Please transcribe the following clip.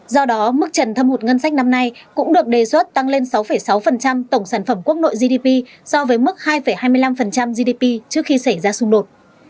do đó mức trần thâm hụt ngân sách năm nay cũng được đề xuất tăng lên sáu sáu tổng sản phẩm quốc nội gdp so với mức hai hai mươi năm gdp trước khi xảy ra xung đột